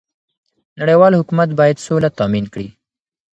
نړيوال حکومت بايد سوله تامين کړي.